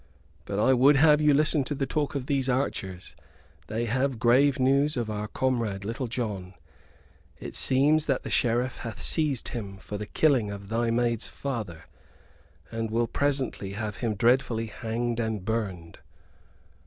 But I would have you listen to the talk of these archers they have grave news of our comrade Little John. It seems that the Sheriff hath seized him for the killing of thy maid's father, and will presently have him dreadfully hanged and burned."